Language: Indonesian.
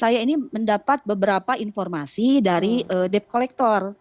saya ini mendapat beberapa informasi dari debt collector